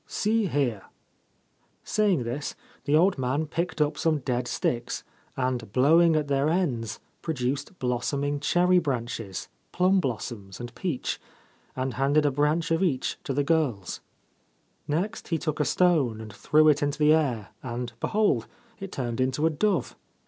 See here !' Saying this, the old man picked up some dead sticks, and, blowing at their ends, produced blossoming cherry branches, plum blossoms, and peach, and handed a branch of each to the 186 The Hermit's Cave girls. Next he took a stone and threw it into the air, and behold ! it turned into a dove.